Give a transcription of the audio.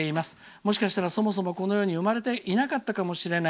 もしかしたら、そもそもこの世に生まれていなかったかもしれない。